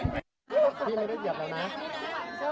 ไม่ได้หยัดแล้วนะ